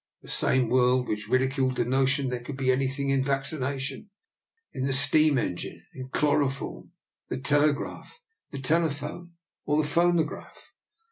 The same world which ridiculed the notion that there could be anything in vaccination, in the steam en gine, in chloroform, the telegraph, the tele phone, or the phonograph.